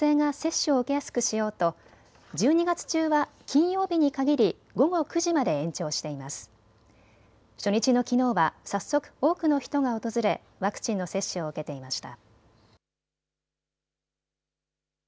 初日のきのうは早速、多くの人が訪れワクチンの接種を受けていました。